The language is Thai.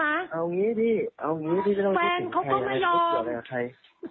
เอาอย่างนี้พี่เอาอย่างนี้พี่ก็ต้องรู้สิ่งแทนให้พี่เกิดอะไรกับใคร